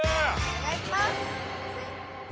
お願いします！